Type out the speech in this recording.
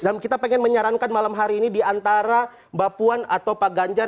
dan kita pengen menyarankan malam hari ini di antara mbak puan atau pak ganjar